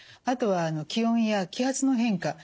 あとは気温や気圧の変化